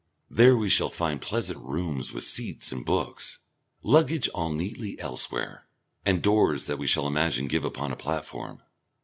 There we shall find pleasant rooms with seats and books luggage all neatly elsewhere and doors that we shall imagine give upon a platform.